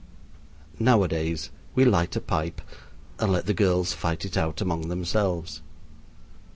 Nowadays we light a pipe and let the girls fight it out among themselves.